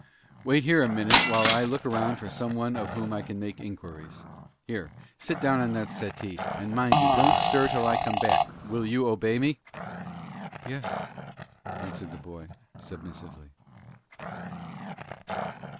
Wait here a minutes, while I look around for some one of whom I can make inquiries. Here, sit down on that settee, and, mind you, don't stir till I come back. Will you obey me?" "Yes," answered the boy, submissively.